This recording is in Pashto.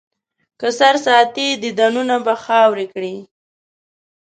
که سر ساتې، دیدنونه به خاورې کړي.